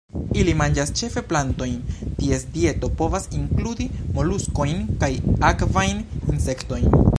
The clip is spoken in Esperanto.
Ili manĝas ĉefe plantojn; ties dieto povas inkludi moluskojn kaj akvajn insektojn.